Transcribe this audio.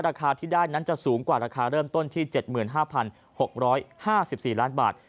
ราคาที่ได้นั้นจะสูงกว่าราคาเริ่มต้นที่๗๕๖๕๔ล้านบาท